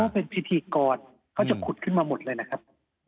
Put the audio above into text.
เป็นพิธีกรเขาจะขุดขึ้นมาหมดเลยนะครับ